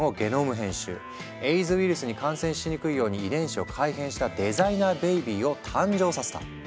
エイズウイルスに感染しにくいように遺伝子を改変したデザイナーベビーを誕生させた。